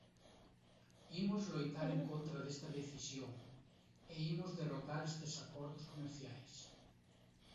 Imos loitar en contra desta decisión, e imos derrotar estes acordos comerciais.